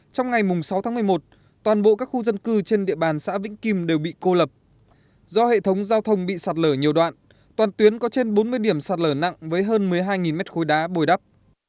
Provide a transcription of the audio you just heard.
trong ngày sáu tháng một mươi một toàn bộ các khu dân cư trên địa bàn xã vĩnh kim đều bị cô lập do hệ thống giao thông bị sạt lở nhiều đoạn toàn tuyến có trên bốn mươi điểm sạt lở nặng với hơn một mươi hai mét khối đá bồi đắp